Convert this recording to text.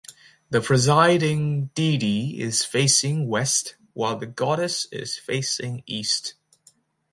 The presiding deity is facing west while the goddess is facing east.